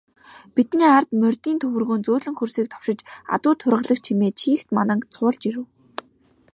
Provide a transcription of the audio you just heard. Бидний ард морьдын төвөргөөн зөөлөн хөрсийг товшиж, адуу тургилах чимээ чийгт мананг цуулж ирэв.